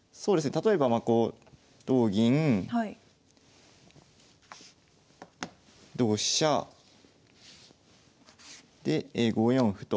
例えばこう同銀同飛車で５四歩と。